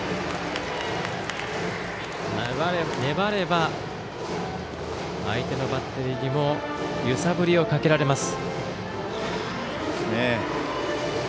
粘れば、相手のバッテリーにも揺さぶりをかけられます。